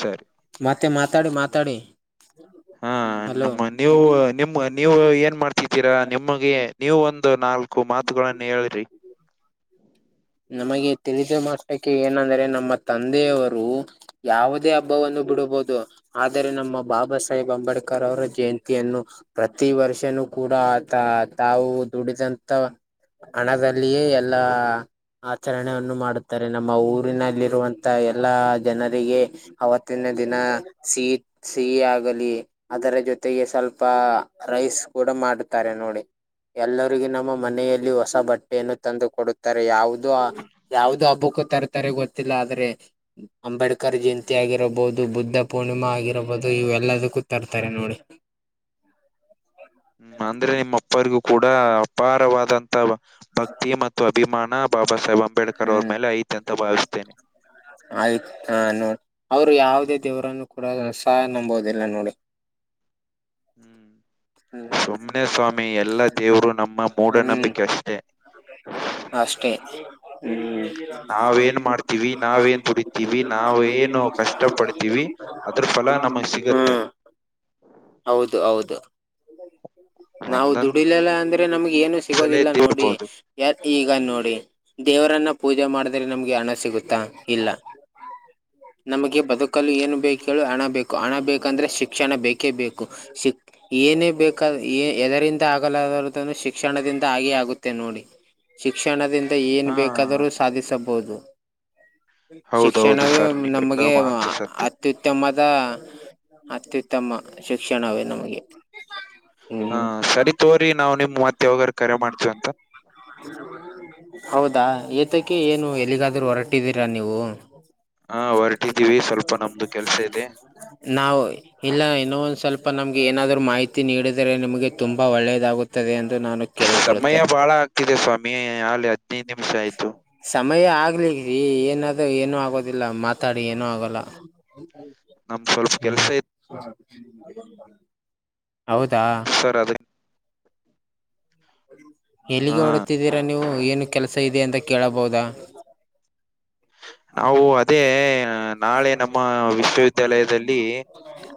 Speaker 1: ಸರಿ
Speaker 2: ಮತ್ತೆ ಮಾತಾಡಿ ಮಾತಾಡಿ
Speaker 1: ಹಾ
Speaker 2: ಹಲೋ
Speaker 1: ನಮ್ಮ ನೀವು ನಿಮ್ ನೀವು ಏನ್ ಮಾಡ್ತಿತೀರಾ ನಿಮಗೆ ನೀವು ಒಂದು ನಾಲ್ ಕು ಮಾತುಗಳನ್ನು ಹೇಳ್ರಿ
Speaker 2: ನಮಗೆ ತಿಳಿದ ಮಷ್ಟಕ್ಕೆ ಏನಂದ್ರೆ ನಮ್ಮ ತಂದೆಯವರು ಯಾವುದೇ ಹಬ್ಬವನ್ನು ಬಿಡಬಹದು ಆದರೆ ನಮ್ಮ ಬಾಬಾ ಸಾಹೇಬ್ ಅಂಬೇಡ್ಕರ್ ಅವರ ಜಯಂತಿಯನ್ನು ಪ್ರತಿ ವರ್ಷನೂ ಕೂಡ ಆತ ತಾವು ದುಡಿದಂತ ಹಣದಲ್ಲಿಯೇ ಎಲ್ಲಾ ಆಚರಣೆಯನ್ನು ಮಾಡುತ್ತಾರೆ ನಮ್ಮ ಊರಿನಲ್ಲಿರುವಂತ ಎಲ್ಲಾ ಜನರಿಗೆ ಅವತ್ತಿನ ದಿನ ಸಿಹಿ ಸಿಹಿ ಆಗಲಿ ಅದರ ಜೊತೆಗೆ ಸ್ವಲ್ಪ ರೈಸ್ ಕೂಡ ಮಾಡುತ್ತಾರೆ ನೋಡಿ ಎಲ್ಲರಿಗೆ ನಮ್ಮ ಮನೆಯಲ್ಲಿ ಹೊಸ ಬಟ್ಟೆಯನ್ನು ತಂದು ಕೊಡುತ್ತಾರೆ ಯಾವ್ [unintelligible] ಯಾವ್ದ ಹಬ್ಬಕ್ಕೂ ತರ್ತಾರೆ ಗೊತ್ತಿಲ್ಲ ಆದ್ರೆ ಅಂಬೇಡ್ಕರ್ ಜಯಂತಿ ಆಗಿರಬಹುದು ಬುದ್ಧ ಪೂರ್ಣಿಮಾ ಆಗಿರಬಹುದು ಇವೆಲ್ಲದಕ್ಕೂ ತರ್ತಾರೆ ನೋಡಿ.
Speaker 1: ಹ್ಮ್ ಅಂದ್ರೆ ನಿಮ್ಮ ಅಪ್ಪರಿಗೂ ಕೂಡ ಅಪಾರವಾದಂತ ಭಕ್ತಿ ಮ ಅಭಿಮಾನ ಬಾಬಾ ಸಾಹೇಬ್ ಅಂಬೇಡ್ಕರ್ ಅವ್ರ ಮೇಲೆ ಐತೆ ಅಂತ ಭಾವಿಸ್ತೇನೆ.
Speaker 2: ಆಯ್ತ್ ಹಾ ನೋಡ್ ಅವರು ಯಾವುದೇ ದೇವರನ್ನು ಕೂಡ [unintelligible] ನಂಬುವುದಿಲ್ಲ ನೋಡಿ.
Speaker 1: ಹ್ಮ್
Speaker 2: ಹ್ಮ್
Speaker 1: ಸುಮ್ಮನೆೇ ಸ್ವಾಮಿ ಎಲ್ಲಾ ದೇವರು ನಮ್ಮ
Speaker 2: ಹ್ಮ್
Speaker 1: ಮೂಢನಂಬಿಕೆ ಅಷ್ಟೇ.
Speaker 2: ಅಷ್ಟೇ ಹ್ಮ್
Speaker 1: ನಾವ್ ಏನ್ ಮಾಡ್ತೀವಿ ನಾವ ಎನ್ ದುಡಿತೀವಿ ನಾವ್ ಏನು ಕಷ್ಟ ಪಡ್ತೀವಿ ಅದ್ರ ಫಲ ನಮಗ್ ಸಿಗತ್ತೆ.
Speaker 2: ಹ್ಮ್ ಹೌದು ಹೌದು ನಾವು
Speaker 1: ಒಂದೊಂದ್
Speaker 2: ದುಡಿಲಲ್ಲ ಅಂದ್ರೆ ನಮ್ಗೆ ಏನು
Speaker 1: ಸಲ
Speaker 2: ಸಿಗೋದಿಲ್ಲ ನೋಡಿ
Speaker 1: ಎದ್ದಿರ್ಬೋದು
Speaker 2: ಯ ಈಗ ನೋಡಿ ದೇವರನ್ನ ಪೂಜೆ ಮಾಡಿದ್ರೆ ನಮ್ಗೆ ಹಣ ಸಿಗುತ್ತಾ ಇಲ್ಲ. ನಮಗೆ ಬದುಕಲು ಏನು ಬೇಕು ಹೇಳೋ ಹಣ ಬೇಕು ಹಣ ಬೇಕಂದರೆ ಶಿಕ್ಷಣ ಬೇಕೇ ಬೇಕು ಶಿಕ್ ಏನೇ ಬೇಕಾದ ಎದರಿಂದ ಆಗಲಾರದನ್ನು ಶಿಕ್ಷಣದಿಂದ ಆಗೇ ಆಗುತ್ತೆ ನೋಡಿ. ಶಿಕ್ಷಣದಿಂದ ಏನ್
Speaker 1: ಹಾ
Speaker 2: ಬೇಕಾದರೂ ಸಾಧಿಸಬಹುದು
Speaker 1: ಹೌದೌದು
Speaker 2: ಶಿಕ್ಷಣವೇ
Speaker 1: ಸರ್ ನೀವು ಹೇಳೋ
Speaker 2: ನಮಗೆ [unintelligible]
Speaker 1: ಮಾತು ಸತ್ಯ
Speaker 2: ಅತ್ಯುತ್ತಮದ ಅತ್ಯುತ್ತಮ ಶಿಕ್ಷಣವೇ ನಮಗೆ.
Speaker 1: ಹಾ
Speaker 2: ಹ್ಮ್
Speaker 1: ಸರಿ ತೋರಿ ನಾವು ನಿಮ್ ಮತ್ತೆ ಯಾವಾಗರ್ ಕರೆ ಮಾಡ್ತವಿ ಅಂತ.
Speaker 2: ಹ [unintelligible] ಹೌದಾ ಏತಕ್ಕೆ ಏನು ಎಲ್ಲಿಗಾದ್ರೂ ಹೊರಟಿದ್ದೀರಾ ನೀವು? ಹಾ ಹೊರಟಿದೀವಿ [unintelligible]
Speaker 1: ಸ್ವಲ್ಪ ನಮ್ದು ಕೆಲ್ಸ ಇದೆ
Speaker 2: [unintelligible] ನಾವು ಇಲ್ಲ ಇನ್ನ ಒಂದ್ ಸ್ವಲ್ಪ ನಮ್ಗೆ ಏನಾದರು ಮಾಹಿತಿ ನೀಡಿದರೆೆ ನಿಮಗೆ ತುಂಬಾ ಒಳ್ಳೇದಾಗುತ್ತದೆ ಎಂದು ನಾನು
Speaker 1: ಸಮಯ
Speaker 2: ಕೇಳಿಕೊಳ್ಳುತ್ತೇನೆ
Speaker 1: ಬಾಳ ಆಗ್ತಿದೆ ಸ್ವಾಮಿ ಅಲ್ಲಿ ಹದ್ನೈದು ನಿಮಿಷ ಆಯ್ತು
Speaker 2: ಸಮಯ ಆಗ್ಲಿ ರಿ ಏನಾದ್ ಏನುೂ ಆಗೋದಿಲ್ಲ ಮಾತಾಡಿ ಏನುೂ ಆಗಲ್ಲ
Speaker 1: ನಮ್ ಸ್ವಲ್ಪ ಕೆಲ್ಸ
Speaker 2: ಹ್ಮ್ [unintelligible] ಹೌದಾ
Speaker 1: ಇತ್ತು ಸರ್ ಅದೇ ಹಾ
Speaker 2: ಎಲ್ಲಿಗೆ ಹೊರ್ಡ್ತಿದ್ದೀರಾ ನೀವು ಏನು ಕೆಲಸ ಇದೆ ಅಂತ ಕೇಳಬಹುದಾ?
Speaker 1: ನಾವು ಅದೇ ನಾಳೆ ನಮ್ಮ ವಿಶ್ವವಿದ್ಯಾಲಯದಲ್ಲಿ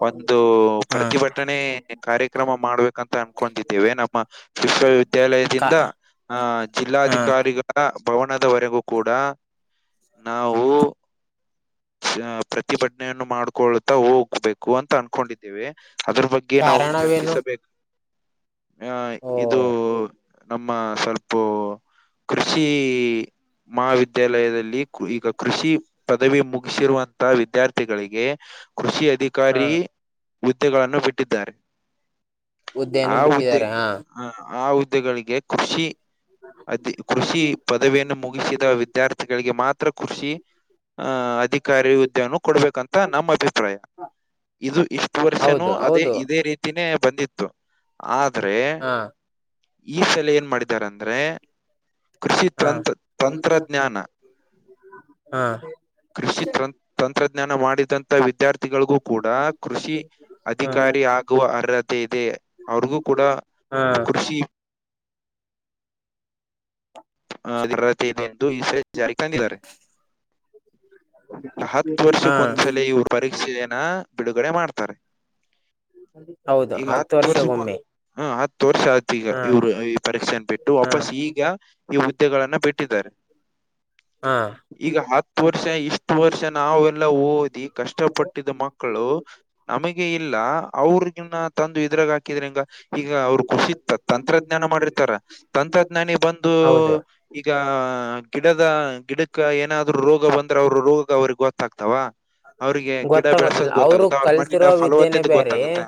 Speaker 1: ಒಂದು
Speaker 2: ಹಾ
Speaker 1: ಪ್ರತಿಭಟನೆ ಕಾರ್ಯಕ್ರಮ ಮಾಡ್ಬೇಕಂತ ಅನ್ಕೊಂತ್ತಿದ್ದೀವಿ ನಮ್ಮ
Speaker 2: ಕಾ
Speaker 1: ವಿಶ್ವವಿದ್ಯಾಲಯದಿಂದ ಆಹ
Speaker 2: ಹಾ
Speaker 1: ಜಿಲ್ಲಾಧಿಕಾರಿಗಳ ಭವನದವರೆಗೂ ಕೂಡ ನಾವು ಪ್ರತಿಭಟನೆಯನ್ನು ಮಾಡ್ಕೊಳ್ತಾ ಹೋಗ್ಬೇಕು ಅಂತ ಅನ್ಕೊಂಡಿದ್ದೇವೆ ಅದ್ರ ಬಗ್ಗೆ ಗೆ ನಾವು
Speaker 2: ಕಾರಣವೇನು
Speaker 1: ಚರ್ಚಿಸಬೇಕು ಆ
Speaker 2: ಓ
Speaker 1: ಇದು ನಮ್ಮ [unintelligible] ಕೃಷಿ ಮಹಾವಿದ್ಯಾಲಯದಲ್ಲಿ ಈಗ ಕೃಷಿ ಪದವಿ ಮು ಸಿರುವಂತಹ ವಿದ್ಯಾರ್ಥಿಗಳಿಗೆ ಕೃಷಿ
Speaker 2: ಹಾ
Speaker 1: ಅಧಿಕಾರಿ ಹುದ್ದೆಗಳನ್ನು ಬಿಟ್ಟಿದ್ದಾರೆ
Speaker 2: ಹುದ್ದೆಯನ್ನು
Speaker 1: ಆ ಹುದ್ದೆ
Speaker 2: ಬಿಟ್ಟಿದ್ದಾರೆ ಹಾ
Speaker 1: ಹ ಆ ಹುದ್ದೆಗಳಿಗೆ ಕೃಷಿ ಅದ ಕೃಷಿ ಪದವಿಯನ್ನು ಮುಗಿಸಿದ ವಿದ್ಯಾರ್ಥಿಗಳಿಗೆ ಮಾತ್ರ ಕೃಷಿ ಹಾ ಅದಿ ಕಾರಿ ಹುದ್ದೆ ನ ಕೊಡಬೇಕಂತ ನಮ್ಮ ಅಭಿಪ್ರಾಯ ಇದು ಇಷ್ಟು ವರ್ಷನೂ
Speaker 2: ಹೌದು
Speaker 1: ಅದೇ
Speaker 2: ಹೌದು
Speaker 1: ಇದೇ ರೀತಿ ತಿನೇ ಬಂದಿತ್ತು ಆದ್ರೆ
Speaker 2: ಹಾ
Speaker 1: ಈ ಸಲ ಏನ್ ಮಾಡಿದ್ದಾರೆ ಅಂದ್ರೆ ಕೃಷಿ
Speaker 2: ಹಾ
Speaker 1: ತಂತ್ರ
Speaker 2: [unintelligible]
Speaker 1: ತಂತ್ರಜ್ಞಾನ
Speaker 2: [unintelligible] ಹಾ
Speaker 1: ಕೃಷಿ ತಂ ತಂತ್ರಜ್ಞಾನ ಮಾಡಿದಂತ ವಿದ್ಯಾರ್ಥಿಗಳಿಗೂ ಕೂಡ ಕೃಷಿ
Speaker 2: ಹಾ
Speaker 1: ಅಧಿಕಾರಿ ಆಗುವ ಅರ್ಹತೆ ಇದೆ ಅವ್ರಿಗೂ ಕೂಡ
Speaker 2: ಹಾ
Speaker 1: ಕೃಷಿ ಅರ್ಹತೆ ಇದೆ ಎಂದು ಈ [unintelligible] ಜಾರಿಗೆ ತಂದಿದ್ದಾರೆ. ಹತ್ತು
Speaker 2: ಹಾ
Speaker 1: ವರ್ಷಕ್ಕೊಂದ್ಸಲ ಇವರು ಪರೀಕ್ಷೆಯನ ಬಿಡುಗಡೆ ಮಾಡ್ತಾರೆ
Speaker 2: ಹೌದು
Speaker 1: ಈಗ ಹತ್ತು ವರ್ಷಕ್ಕೆ ಒಂದ್
Speaker 2: ವರ್ಷಗೊಮ್ಮೆ
Speaker 1: ಹ ಆತ್ ವರ್ಷ ಆಯ್ತ್ ಈಗ
Speaker 2: ಹಾ
Speaker 1: ಇವ್ರು ಈ ಪರೀಕ್ಷೆನ್ ಬಿಟ್ಟು
Speaker 2: ಹಾ
Speaker 1: ವಾಪಸ್ ಈಗ ಈ ಹುದ್ದೆಗಳನ್ನ ಬಿಟ್ಟಿದ್ದಾರೆ
Speaker 2: ಹಾ
Speaker 1: ಈಗ ಹತ್ತು ವರ್ಷ ಇಷ್ಟು ವರ್ಷ ನಾವೆ ಎಲ್ಲ ಓದಿ ಕಷ್ಟಪಟ್ಟಿದ್ದ ಮಕ್ಕಳು ನಮಗೆ [unintelligible] ಇಲ್ಲ ಅವ್ರಗಿನ್ನ ತಂದು ಇದ್ರಾಗ ಹಾಕಿದ್ರಿ ಹೆಂಗ ಈಗ ಅವ್ರು ಖುಷಿ ತಂತ್ರಜ್ಞಾನ ಮಾಡಿರ್ತಾರ ತಂತ್ರಜ್ಞಾನಿ ಬಂದು
Speaker 2: ಹೌದು
Speaker 1: ಈಗ ಗಿಡದ ಗಿಡಕ್ಕ ಏನಾದ್ರು ರೋಗ ಬಂದ್ರೆ ಅವ್ರ ರೋಗ ಅವ್ರಗೊತ್ತ ಗೊತ್ತಾಗ್ತಾವ ಅವ್ರಿಗೆ ಗಿಡ
Speaker 2: ಗೊತ್ತಾಗೋದಿಲ್ಲ
Speaker 1: ಬೆಳೆಸೋದ್
Speaker 2: ಅವರು
Speaker 1: ಗೊತ್ತಾಗುತ್ತ ಅವ್ರ ಮಣ್ಣಿನ
Speaker 2: ಕಲ್ತಿರೋ ವಿದ್ಯೆನೆ
Speaker 1: ಫಲವತ್ತದ
Speaker 2: ಬೇರೆ
Speaker 1: ಗೊತ್ತಾಗುತ್ತ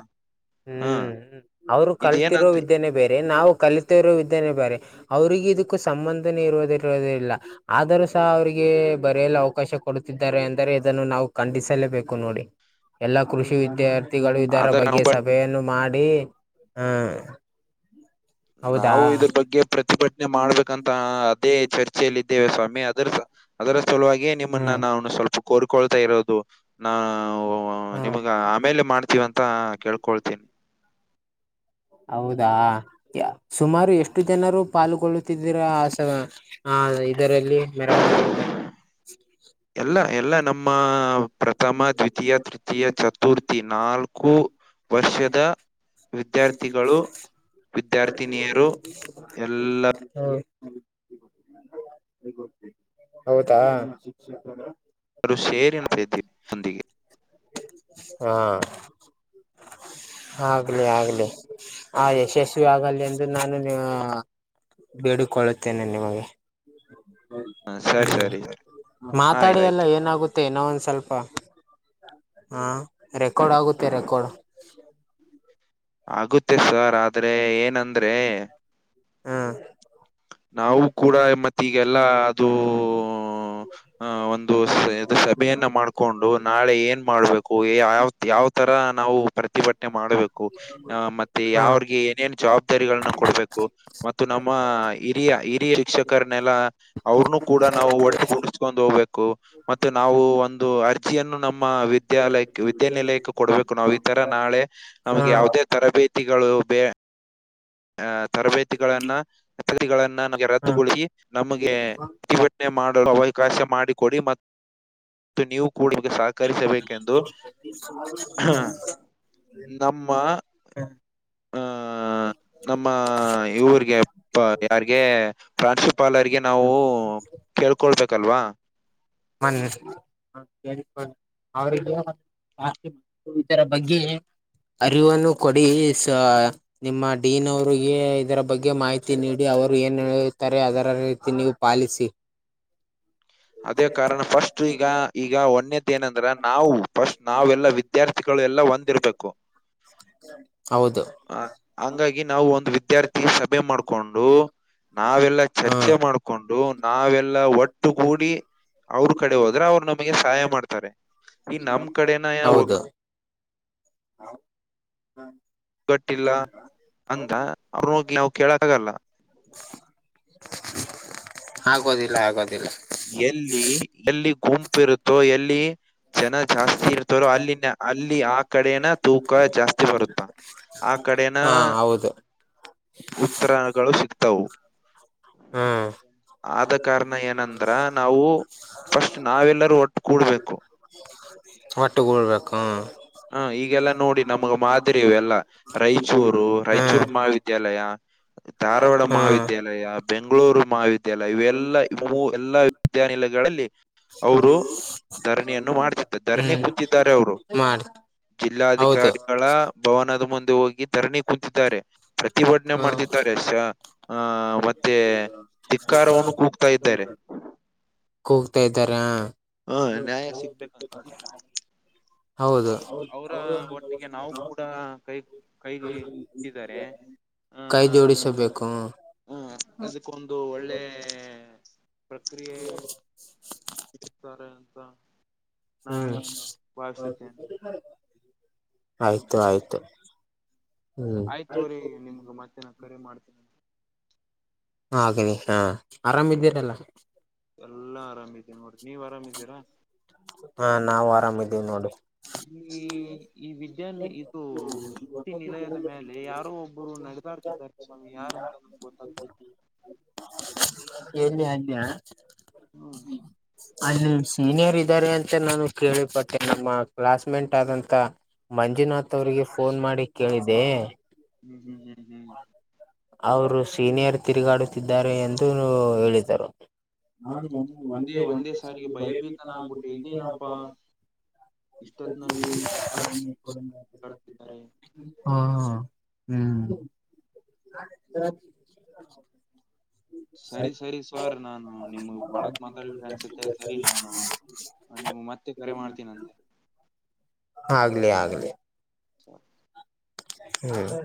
Speaker 1: ಹಾ
Speaker 2: ಹ್ಮ್ ಅವ್ರು ಕಲ್ತಿರೋ
Speaker 1: ಇದೇನಂತ
Speaker 2: ವಿದ್ಯೆನೆೇ ಬೇರೆ ನಾವು ಕಲಿತಿರೋ ವಿದ್ಯೆನೆೇ ಬೇರೆ. ಅವ್ರಿಗೆ ಇದಕ್ಕೂ ಸಂಬಂಧನೇ ಇರೋದಿರೋದೇ ಇಲ್ಲ. ಆದರೂ ಸಹ ಅವ್ರಿಗೆ ಬರೆಯಲು ಅವಕಾಶ ಕೊಡ್ತಿದ್ದಾರೆ ಅ. ಆದರೆ ಇದನ್ನು ನಾವು ಖಂಡಿಸಲೇಬೇಕು ನೋಡಿ ಎಲ್ಲಾ ಕೃಷಿ ವಿದ್ಯಾರ್ಥಿ. ವ ಇದರ ಬಗ್ಗೆ
Speaker 1: ಆದ
Speaker 2: ಸಭೆಯನ್ನು ಮಾಡಿ ಹ.
Speaker 1: ನಾವು ಇದ್ರ ಬಗ್ಗೆ ಪ್ರತಿಭಟನೆ ಮಾಡ್ಬೇಕಂತ. ಅದೇ ಚರ್ಚೆಯಲ್ಲ ಇದಿದ್ದೇವೆ ಸ್ವಾಮಿ ಅದರ ಅದರ ಸಲುವಾಗಿಯೇ ನಿಮ್ಮನ್ನ
Speaker 2: ಹ್ಮ್
Speaker 1: ನಾನು ಸ್ವಲ್ಪ. ಕೋರ್ಕೊಳ್ತಾ ಇರೋದು ನಾ
Speaker 2: ಹ್ಮ್
Speaker 1: ನಿಮ್ಗ ಆಮೇಲೆ ಮಾಡ್ತೀವಂತ. ಕೇಳ್ಕೊಳ್ತೀನಿ.
Speaker 2: ಹೌದಾ ಸುಮಾರು ಎಷ್ಟು ಜನರು ಪಾಲ್ಗೊಳ್ಳುತ್ತಿದ್ದಿರ ಆಸ. ಹ ಇದರಲ್ಲಿ ಮೆರವಣಿಗೆಯಲ್ಲಿ.
Speaker 1: ಎಲ್ಲ ಎಲ್ಲ ನಮ್ಮ ಪ್ರಥಮ ದ್ವಿತೀಯ ತೃತೀಯ ಚ. ತುರ್ಥಿ ನಾಲ್ಕು ವರ್ಷದ.
Speaker 2: ಹ್ಮ್.
Speaker 1: ವಿದ್ಯಾರ್ಥಿಗಳು ವಿದ್ಯಾರ್ಥಿನಿಯರು ಎಲ್ಲ.
Speaker 2: ಹಾ. ಹೌದಾ.
Speaker 1: ಅವರು ಶೇರಿ ಅಂತ ಇದ್ದೀವಿ ನಂದಿಗೆ.
Speaker 2: ಹಾ. ಆಗ್ಲಿ ಆಗ್ಲಿ ಆ ಯಶಸ್ವಿ ಆಗಲಿ ಎಂದು ನಾನು. ಬೇಡಿಕೊಳ್ಳುತ್ತೇನೆ ನಿಮಗೆ. ಹೌದು.
Speaker 1: ಹ ಸರಿ ಸರಿ ಸರಿ. ಆಯ್ತು
Speaker 2: ಮಾತಾಡಿ ಎಲ್ಲ
Speaker 1: ಆಯ್ತು
Speaker 2: ಏನಾಗುತ್ತೆ. ಮೆನೋ ಒಂದ್ ಸ್ವಲ್ಪ ಹ ರೆಕಾರ್ಡ್ ಆಗುತ್ತೆ ರೆಕಾರ್ಡ್.
Speaker 1: ಆಗುತ್ತೆ ಸರ್ ಆದ್ರೆ ಏನಂದ್ರೆ.
Speaker 2: ಹ್ಮ್
Speaker 1: ನಾವು ಕೂಡ ಮತ್ತೆ ಈಗೆಲ್ಲಾ ಅದುೂ. ಆ ಒಂದು ಇದು ಸಭೆಯನ್ನ ಮಾಡ್. ಹಕೊಂಡು ನಾಳೆ ಏನ್ ಮಾಡ್ಬೇಕು ಯಾವ ಯಾವ್ ತರ ನಾವು ಪ್ರತಿಭಟನೆ ಮಾಡ್ಬೇಕು. ಅ ಮತ್ತೆ
Speaker 2: ಹಾ
Speaker 1: ಯಾವಿಗೆ ಏನೇನು ಜವಾಬ್ದಾರಿಗಳನ್ನ ಕೊಡ್ಬೇಕು ಮತ್ತು ನಮ್ಮ. ಹಿರಿಯ ಹಿರಿಯ ಶಿಕ್ಷಕರನೆೆಲ್ಲ ಅವ್ರನು ಕೂಡ ನಾವು ಒಟ್ಟು ಕುಡಸ್ಕೊಂಡ್ ಹೋಗ್ಬೇಕು. ಮತ್ತೆ ನಾವು ಒಂದು ಅರ್ಜಿಯನ್ನು ನಮ್ಮ ವಿದ. ವಿದ್ಯಾಲಯ ವಿದ್ಯಾನಿಲಯಕ್ಕೆ ಕೊಡಬೇಕು ನಾವು ಈತರ ನಾಳೆ
Speaker 2: ಹಾ
Speaker 1: ನಮ್ಗೆ ಯಾವುದೇ ತರಬೇತಿಗಳು ಬೇ. ಆಹ ತರಬೇತಿಗಳನ್ನತಿಗಳನ್ನ ನಮಗೆ
Speaker 2: ಹಾ
Speaker 1: ರದ್ದುಗೊಳಿಸಿ ನಮಗೆ. ಮಾಡಲು ಅವಕಾಶ ಮಾಡಿಕೊಡಿ ಮತ್ತು ನೀವು ಕೂಡ ಸಾ.
Speaker 2: ಹಾ.
Speaker 1: ನಮ್ಮ. ಆಹ ನಮ್ಮ ಇವ್ರಿಗೆ ಯಾರ್ಗ. ಪ್ರಾನ್ಸಿಪಾಲರಿಗೆ ನಾವು ಕೇಳ್ಕೊಳ್ಬೇಕಲ್ವಾ.
Speaker 2: ಮನ್ನಿ. ಹಾ ಕ ಅವರಿಗೆ ಜಾಸ್ತಿ ಇದರ ಬಗ್ಗೆ. ಅರಿವನ್ನು ಕೊಡಿ ಸ. ನಿಮ್ಮ ಡೀನ್ ಅವ್ರರಿಗೆ ಇದರ ಬಗ್ಗೆ ಮಾಹಿತಿ ನೀಡಿ ಅವರು ಏನ್ ಹೇಳುತ್ತಾರೆ ಅದರ ರೀತಿ ನೀವು. ಪಾಲಿಸಿ.
Speaker 1: ಅದೇ ಕಾರಣ ಫಸ್ಟ್ ಈಗ ಈಗ ಒಂದೇದ ಏನಂದ್ರ ನಾವು ಫಸ್ಟ್ ನಾವೆಲ್ಲ ವಿದ. ವಿದ್ಯಾರ್ಥಿಗಳು ಎಲ್ಲ ಒಂದಿರಬೇಕು.
Speaker 2: ಹೌದು.
Speaker 1: ಅ ಹಂಗಾಗಿ ನಾವು ಒಂದು ವಿದ್ಯಾರ್ಥಿ ಸಭೆ ಮಾಡ್ಕೊಂಡು. ನಾವೆಲ್ಲಾ
Speaker 2: ಹ್ಮ
Speaker 1: ಚರ್ಚೆ ಮಾಡ್ಕೊಂಡು. ನಾವೆಲ್ಲಾ ಒಟ್ಟುಗೂಡಿ ಅವ್ರ ಕಡೆ ಹೋದ್ರ ಅವ್ರು ನಮಗೆ ಸಹಾಯ ಮಾಡ್ತಾರೆ. ಈ ನಮ್ ಕಡೆನ ಒ
Speaker 2: ಹೌದು
Speaker 1: ಕಟ್ಟಿಲ್ಲ ಅಂದ ಅವ್ರ ಹೋಗಿ ನಾವವು ಕೇಳಕ್ ಆಗಲ್ಲ.
Speaker 2: ಆಗೋದಿಲ್ಲ ಆಗೋದಿಲ್ಲ.
Speaker 1: ಎಲ್ಲಿ ಎಲ್ಲಿ ಗುಂಪು ಇರುತ್ತೋ. ಎಲ್ಲಿ ಜನ ಜಾಸ್ತಿ ಇರ್ತಾರೋ ಅಲ್ಲಿನ ಅಲ್ಲಿ ಆ ಕಡೆನ ತೂಕ ಜಾಸ್ತಿ ಬರುತ್ತಾ. ಆ ಕಡೆನ
Speaker 2: ಹಾ ಹೌದು
Speaker 1: ಉತ್ತರಗಳು ಸಿಗ್ತವು.
Speaker 2: ಹ್ಮ್
Speaker 1: ಆದ. ಕಾರಣ ಏನಂದ್ರ. ನಾವು ಫಸ್ಟ್ ನಾವೆಲ್ಲರೂ ಒಟ್ಟು ಕೂಡ್ಬೇಕು.
Speaker 2: ಒಟ್ಟೆಗೂಳ್ಬೇಕು.
Speaker 1: ಹಾ ಈಗೆಲ್ಲಾ ನೋಡಿ ನಮಗ ಮಾದರಿಯವೆಲ್ಲ. ರಾಯಚೂರು ರಾಯಚೂರು
Speaker 2: ಹ್ಮ್
Speaker 1: ಮಾವಿ ವಿದ್ಯಾಲಯ ಧಾರವಾಡ
Speaker 2: ಹ್ಮ್
Speaker 1: ಮಹಾವಿದ್ಯಾಲಯ. ಬೆಂಗಳೂರು ಮಹಾವಿದ್ಯಾಲಯ ಇವೆಲ್ಲಾ ಎಲ್ಲಾ ವಿದ್ಯಾನಿಲಯಗಳಲ್ಲಿ ಅವರು. ಧರಣಿಯನ್ನು ಮಾಡ್ಸ ಧರಣಿ ಕುಂತಿದ್ದಾರೆ ಅವರು.
Speaker 2: ಮಾಡ್.
Speaker 1: ಜಿಲ್ಲಾಧಿಕಾರಿಗಳ ಭವನದ ಮುಂದೆ ಹೋಗಿ ಧರಣಿ ಕೂತಿದ್ದಾರೆ. ಪ್ರತಿಭಟನೆ
Speaker 2: ಹ
Speaker 1: ಮಾಡ್ತಿದ್ದಾರೆ. ಆ ಮತ್ತೆ ತಿಕ್ಕಾರವನ್ನು ಕೂಗ್ತಾ ಇದ್ದಾರೆ.
Speaker 2: ಕೂಗ್ತಾ ಇದ್ದಾರ. ಹಾ
Speaker 1: ಹ ನ್ಯಾಯ ಸಿಗ್ಬೇಕಂತ
Speaker 2: ಹೌದು.
Speaker 1: ಅವ್ರ ಅವರ ಒಟ್ಟಿಗೆ ನಾವು ಕೂಡ ಕೈ ಕೈಗೆ ಇಟ್ಟಿದ್ದಾರೆ
Speaker 2: ಕೈ ಜೋಡಿಸಬೇಕು.
Speaker 1: ಹ್ಮ ಅದಕ್ಕೊಂದು ಒಳ್ಳೆ ಪ್ರಕ್ರಿಯೆ. [inaudible]
Speaker 2: ಹ್ಮ್
Speaker 1: ನಾನು ಭಾವಿಸುತ್ತೇನೆ
Speaker 2: ಆಯ್ತು ಆಯ್ತು. ಹ್ಮ್
Speaker 1: ಆಯ್ತು ಹೋರಿ ನಿಮ್ಗ್ ಮತ್ತೆನ ಕರೆ ಮಾಡ್ತೀನ.
Speaker 2: ಹಾಗನನೆ ಹಾ ಆರಾಮ್ದ್ದರಲ್ಲ.
Speaker 1: ಎಲ್ಲಾ ಆರಾಮಿದೀ ನೋಡ್ರಿ. ನೀವ್ ಆರಾಮಿದ್ದೀರಾ.
Speaker 2: ಹಾ ನಾವವು ಆರಾಮ್ದೀವಿ ನೋಡಿ.
Speaker 1: ಈ ಈ ವಿದ್ಯಾನಿ ಇದು. ವಿ ನಿಲಯದ ಮೇಲೆ ಯಾರೋ ಒಬ್ಬರು ನಡೆದಾಡ್ತಿದ್ದಾರೆ ಸ್ವಾಮಿ ಯಾರ ಅಂತ ನಮ್ಗೆ ಗೊತ್ತಾಗ್ತಿ.
Speaker 2: ಎಲ್ಲಿಯ ಅಲ್ಲಿಯ.
Speaker 1: ಹ್ಮ್
Speaker 2: ಅಲ್ಲಿ ಸೀನಿಯರ್ ಇದ್ದಾರೆ ಅಂತ ನಾನು ಕೇಳಿಪಟ್ಟೆ. ನಮ್ಮ ಕ್ಲಾಸ್ ಮೇಟ್ ಆದಂತ ಮಂಜುನಾಥ್ ಅವರಿಗೆ ಫೋನ್ ಮಾಡಿ ಕೇಳಿದೆ.
Speaker 1: ಹ್ಮ್ ಹ್ಮ್ ಹ್ಮ್ ಹ್ಮ್.
Speaker 2: ಅವರು ಸೀನಿಯರ್ ತಿರುಗಾಡುತ್ತಿದ್ದಾರೆ ಎಂದು ಹೇಳಿದರು. ನಾ ಮಮ್ಮೂ
Speaker 1: ಇದೇ
Speaker 2: ಒಂದೇ ಒಂದೇ
Speaker 1: ಸಾರಿಗೆ
Speaker 2: ಸಾರಿ ಭಯಭೀತ
Speaker 1: ಭಯಭೀತನ ಆಗ್ಬಿಟ್ಟೆ
Speaker 2: ಆಗ್ಬಿಟ್ಟು ಇದೇ
Speaker 1: ಇದೇನಪ್ಪಾ
Speaker 2: ಹಬ್ಪ್ಪ.
Speaker 1: ಇಷ್ಟೊತ್ನಲ್ಲಿ ಅಕ್ಕಡೆ
Speaker 2: [inaudible]
Speaker 1: ಕಡ್ತಿದ್ದಾರೆ.
Speaker 2: ಹಾ ಹ ಹ್ಮ್. ಹ
Speaker 1: ಸರಿ ಸರಿ ಸವರ್ ನಾನು ನಿಮ್ ಬಾಳಕ್ ಮಾತಾಡ್ಬಿಟ್ರೆ ಅನ್ಸುತ್ತೆ ಸರಿ ನಾನು ನಿಮ್ ಮತ್ತೆ. ಕರೆ ಮಾಡ್ತೀನ ಅಂತೆ.
Speaker 2: ಆಗ್ಲಿ ಆಗ್ಲಿ.
Speaker 1: ಹ
Speaker 2: ಹ್ಮ್